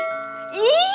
harusnya udah bibi